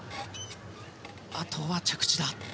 あとは、着地だ。